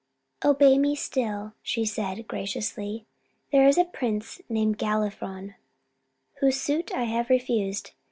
"Obey me still," she said graciously. "There is a prince named Galifron, whose suit I have refused.